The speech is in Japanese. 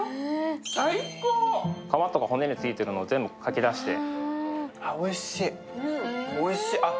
皮とか骨についてるのを全部かき出して。